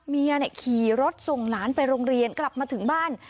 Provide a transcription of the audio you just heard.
เมียขี่รถส่งหลานไปโรงเรียนกลับมาถึงบ้าน